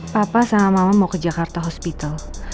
papa sama mama mau ke jakarta hospital